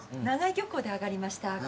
長井漁港で上がりました